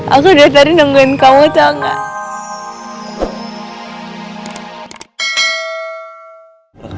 aku udah nungguin kamu tau gak